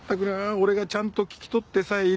俺がちゃんと聞き取ってさえいりゃあ